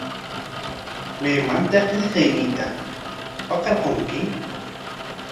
¿Maymantaq qillqayniita pakarqurki?